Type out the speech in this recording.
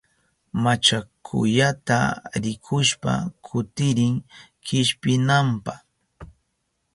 Machakuyata rikushpa kutirin kishpinanpa.